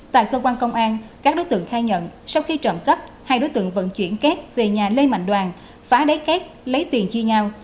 tại cơ quan công an các đối tượng khai nhận sau khi trộm cắp hai đối tượng vận chuyển két về nhà lê mạnh đoàn phá đáy két lấy tiền chia nhau